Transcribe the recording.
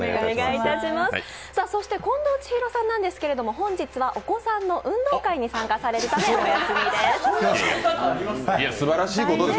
近藤千尋さんなんですけどお子さんの運動会に参加されるためお休みです。